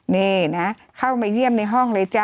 นี่นะเข้ามาเยี่ยมในห้องเลยจ้